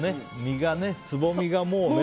つぼみが、もうね。